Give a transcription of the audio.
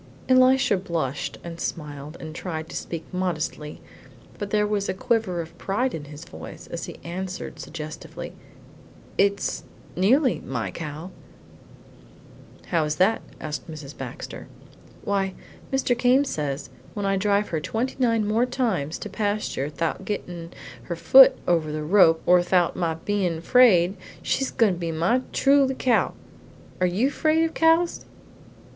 Elisha blushed and smiled, and tried to speak modestly, but there was a quiver of pride in his voice as he answered suggestively: "It's nearly my cow." "How is that?" asked Mrs. Baxter. "Why, Mr. Came says when I drive her twenty nine more times to pasture thout her gettin' her foot over the rope or thout my bein' afraid, she's goin' to be my truly cow. Are you fraid of cows?"